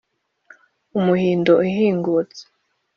umuhindo uhingutse